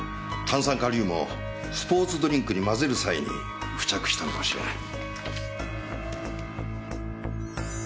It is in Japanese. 炭酸カリウムをスポーツドリンクに混ぜる際に付着したのかもしれない。